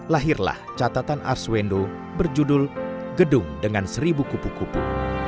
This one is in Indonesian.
lahirlah catatan arswendo berjudul gedung dengan seribu kupu kupu